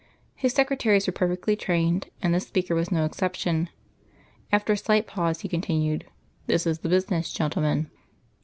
His secretaries were perfectly trained, and this speaker was no exception. After a slight pause, he continued: "This is the business, gentlemen.